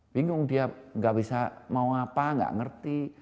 bingung dia gak bisa mau apa gak ngerti